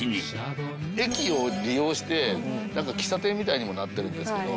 駅を利用してなんか喫茶店みたいにもなってるんですけど。